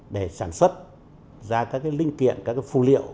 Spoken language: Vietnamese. để sản xuất ra các cái linh kiện các cái phụ liệu